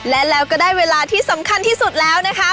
และแล้วก็ได้เวลาที่สำคัญที่สุดแล้วนะคะ